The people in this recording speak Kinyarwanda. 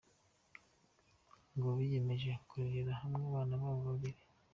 Ngo biyemeje kurerera hamwe abana babo babiri.